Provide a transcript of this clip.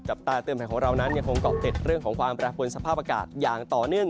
ตาเตือนภัยของเรานั้นยังคงเกาะติดเรื่องของความแปรปวนสภาพอากาศอย่างต่อเนื่อง